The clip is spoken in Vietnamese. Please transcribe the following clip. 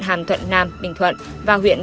hàm thuận nam bình thuận và huyện